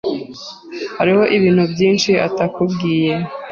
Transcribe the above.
Hariho ibintu byinshi atakubwiye.